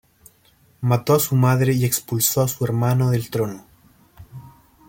Mató a su madre y expulsó a su hermano del trono.